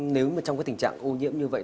nếu mà trong cái tình trạng ô nhiễm như vậy